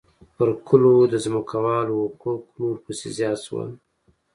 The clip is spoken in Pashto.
پر کلو د ځمکوالو حقوق نور پسې زیات شول